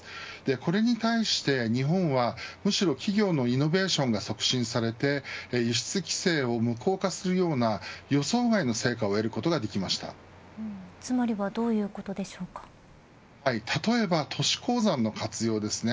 これに対して日本はむしろ企業のイノベーションが促進されて輸出規制を無効化するような予想外の成果をつまりは例えば、都市鉱山の活用です。